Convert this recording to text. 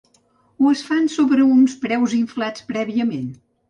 O es fan sobre uns preus inflats prèviament?